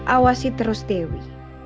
awasi terus dewi